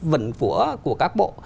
vẫn của các bộ